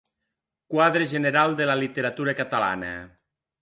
Quadre general de la literatura catalana.